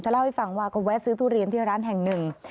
เล่าให้ฟังว่าก็แวะซื้อทุเรียนที่ร้านแห่งหนึ่ง